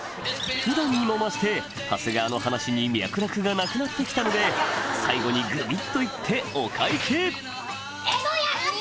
普段にも増して長谷川の話に脈絡がなくなってきたので最後にグビっといってお会計江戸安！